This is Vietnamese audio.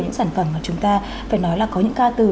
những sản phẩm mà chúng ta phải nói là có những ca từ